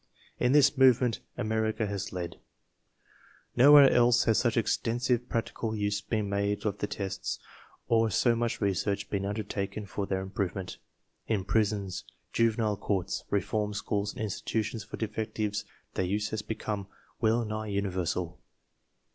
In this movement Amer ica has led. Nowhere else has such extensive practical use been made of the tests or so much research been undertaken for their improvement. In prisons, juvenile courts, reform schools, and institutions for defectives their use has become well nigh universal.